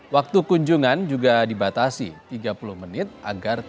waktu kunjungan juga dibatasi tiga puluh menit